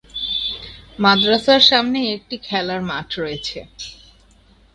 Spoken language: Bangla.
মাদ্রাসার সামনে একটি খেলার মাঠ রয়েছে।